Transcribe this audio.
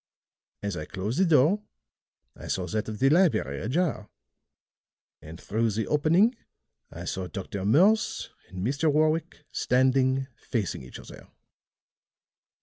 As I closed the door, I saw that of the library ajar; and through the opening I saw Dr. Morse and Mr. Warwick standing facing each other.